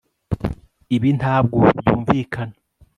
ibi nabyo ntabwo byumvikana